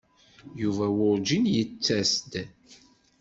Yuba werǧin yettas-d.